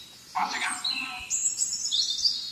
دماغ ته لږ پام کېده او غبرګون نه تمه کېده.